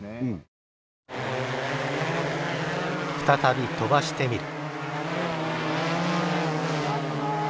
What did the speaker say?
再び飛ばしてみる。